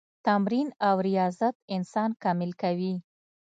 تمرین او ریاضت انسان کامل کوي.